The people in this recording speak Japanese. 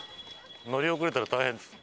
乗り遅れたら大変です。